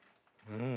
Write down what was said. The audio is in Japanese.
うん！